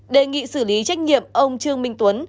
đề nghị xử lý trách nhiệm ông trương minh tuấn